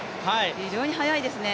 非常に速いですね。